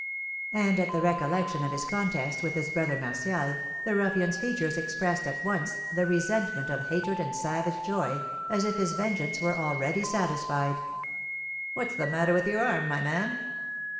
And, at the recollection of his contest with his brother Martial, the ruffian's features expressed, at once, the resentment of hatred and savage joy, as if his vengeance were already satisfied. "What's the matter with your arm, my man?"